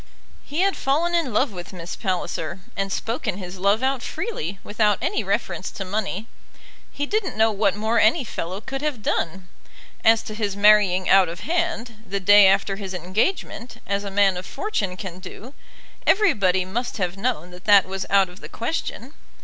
He had fallen in love with Miss Palliser, and spoken his love out freely, without any reference to money. He didn't know what more any fellow could have done. As to his marrying out of hand, the day after his engagement, as a man of fortune can do, everybody must have known that that was out of the question.